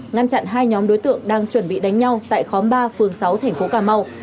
ngăn chặn hai nhóm đối tượng đang chuẩn bị đánh nhau tại khóm ba phường sáu thành phố cà mau